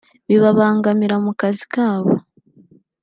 bibabangamira mu kazi kabo